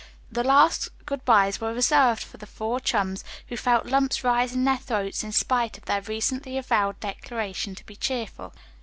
The last good byes were reserved for the four chums, who felt lumps rise in their throats in spite of their recently avowed declaration to be cheerful.